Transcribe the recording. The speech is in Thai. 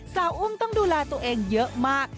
อุ้มต้องดูแลตัวเองเยอะมาก